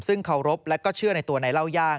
ซึ่งเคารพและก็เชื่อในตัวนายเล่าย่าง